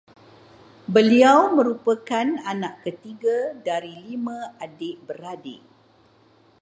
Beliau merupakan anak ketiga dari lima adik-beradik